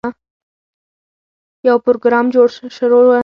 یو پروګرام شروع و.